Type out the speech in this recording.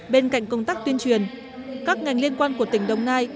bên cạnh công tác tuyên truyền các ngành liên quan của tỉnh đồng nai